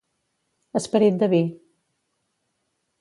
Esperit de vi.